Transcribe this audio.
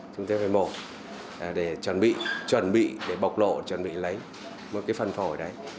chúng tôi phải mổ để chuẩn bị chuẩn bị để bộc lộ chuẩn bị lấy một cái phần phổi đấy